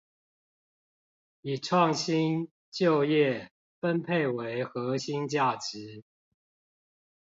以創新、就業、分配為核心價值